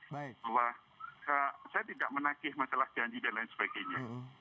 bahwa saya tidak menagih masalah janji dan lain sebagainya